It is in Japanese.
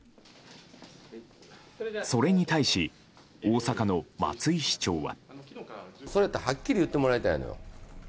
それに対し、大阪の松井市長は。